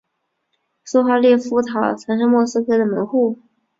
苏哈列夫塔曾是莫斯科的门户。